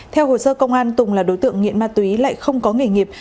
theo hồ sơ công an tùng là đối tượng nghiện ma túy lại không có nghề nghiệp